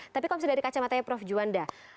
tapi komisi dari kacamata prof juwanda